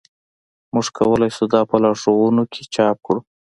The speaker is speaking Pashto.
موږ کولی شو دا په لارښودونو کې چاپ کړو